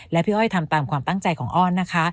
และพี่อ้อยทำตามความตั้งใจของอ้อนนะคะ